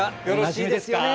よろしいですか？